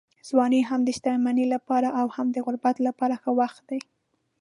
ځواني هم د شتمنۍ لپاره او هم د غربت لپاره ښه وخت دی.